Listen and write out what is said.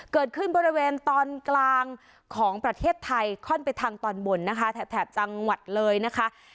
เกิดขึ้นบริเวณตอนกลางของประเทศไทยค่อนไปทางตอนบนนะคะแถบจังหวัดเลยนะคะ